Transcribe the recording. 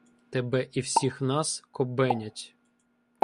Тебе і всіх нас кобенять.